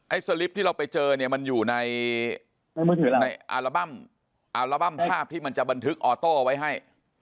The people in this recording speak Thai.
สลิปที่เราไปเจอเนี่ยมันอยู่ในอัลบั้มอัลบั้มภาพที่มันจะบันทึกออโต้ไว้ให้